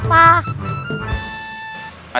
tidak ada yang bisa diantar